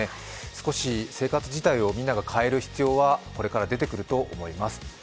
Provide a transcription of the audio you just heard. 少し生活自体を皆が変える必要がこれから出てくると思います。